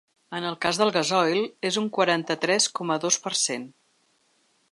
En el cas del gasoil, és un quaranta-tres coma dos per cent.